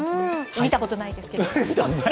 見たことないですが。